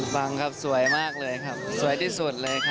ฟังครับสวยมากเลยครับสวยที่สุดเลยครับ